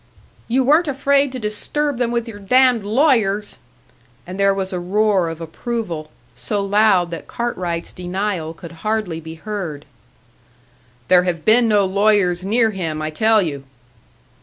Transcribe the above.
"You weren't afraid to disturb them with your damned lawyers!" And there was a roar of approval so loud that Cartwright's denial could hardly be heard. "There have been no lawyers near him, I tell you."